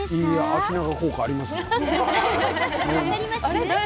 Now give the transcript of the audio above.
脚長効果がありますよ。